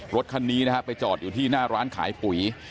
รถคันนี้นะฮะไปจอดอยู่ที่หน้าร้านขายปุ๋ย